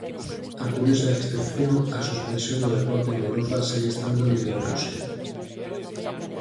A curiosa excepción á suspensión do deporte en Europa segue estando en Bielorrusia.